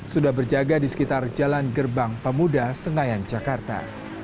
sudah berjaga di sekitar jalan gerbang pemuda senayan jakarta